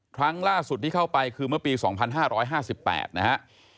ครั้งล่าสุดที่เข้าไปคือเมื่อปี๒๕๕๘นะฮะ